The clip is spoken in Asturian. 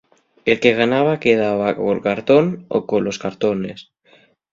El que ganaba quedaba col cartón o colos cartones.